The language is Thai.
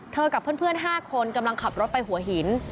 กับเพื่อน๕คนกำลังขับรถไปหัวหิน